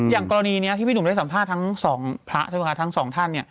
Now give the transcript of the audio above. อย่างกรณีนี้ที่พี่หนุ่มได้สัมภาษณ์ทั้ง๒พระทั้ง๒ท่านเนี่ย